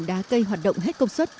đá cây hoạt động hết công suất